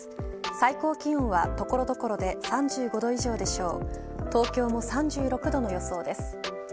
最高気温は所々で３５度以上でしょう。